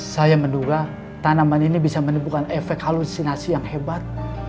saya menduga tanaman ini bisa menimbulkan efek halusinasi yang hebat